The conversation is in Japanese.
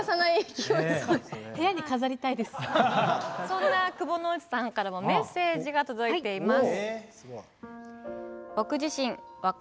そんな窪之内さんからもメッセージが届いています。